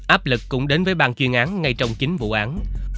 áp lực cũng đến với bàn chuyên án ngay trong chính vụ án